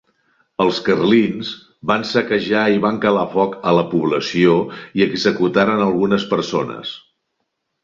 Els carlins van saquejar i van calar foc a la població, i executaren algunes persones.